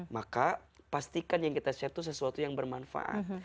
maka pastikan yang kita share itu sesuatu yang bermanfaat